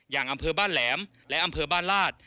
อำเภอบ้านแหลมและอำเภอบ้านลาด